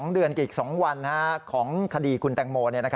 ๒เดือนกับอีก๒วันของคดีคุณแตงโม